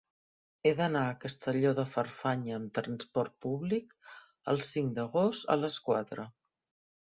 He d'anar a Castelló de Farfanya amb trasport públic el cinc d'agost a les quatre.